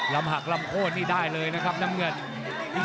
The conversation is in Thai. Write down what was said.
หักลำโค้นนี่ได้เลยนะครับน้ำเงิน